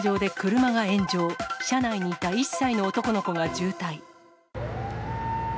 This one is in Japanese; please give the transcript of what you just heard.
車内にいた１歳の男の子が重体。